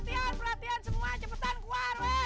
perhatian perhatian semua cepetan keluar